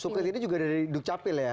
suket itu juga dari dukcapil ya